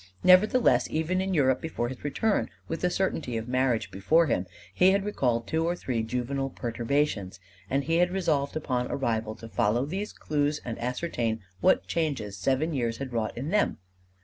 Nevertheless even in Europe before his return with the certainty of marriage before him he had recalled two or three juvenile perturbations, and he had resolved upon arrival to follow these clues and ascertain what changes seven years had wrought in them.